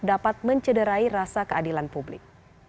dapat mencederai rasa keadilan publik